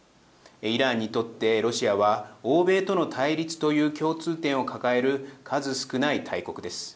イランにとってロシアは欧米との対立という共通点を抱える数少ない大国です。